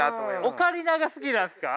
オカリナが好きなんですか？